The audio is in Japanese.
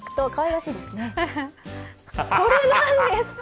これなんです。